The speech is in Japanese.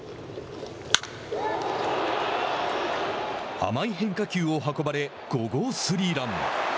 甘い変化球を運ばれ５号スリーラン。